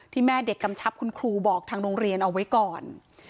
แม่เด็กกำชับคุณครูบอกทางโรงเรียนเอาไว้ก่อน